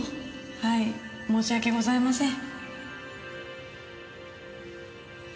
はい申し訳ございません。